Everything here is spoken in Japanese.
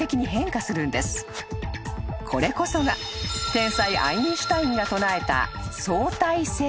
［これこそが天才アインシュタインが唱えた］